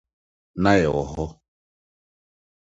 Na yɛwɔ hɔ.